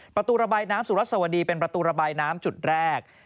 ประตูระบายน้ำสุรัสสวดีเป็นประตูระบายน้ำจุดแรก